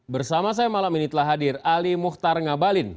bersama saya malam ini telah hadir ali muhtar ngabalin